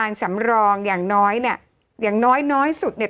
โอเคโอเคโอเค